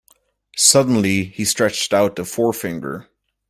Suddenly he stretched out a forefinger.